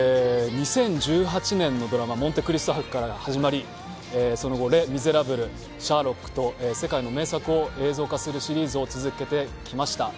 ２０１８年のドラマ「モンテ・クリスト伯」から始まりその後、「レ・ミゼラブル」「シャーロック」と世界の名作を映像化するシリーズを続けてきました。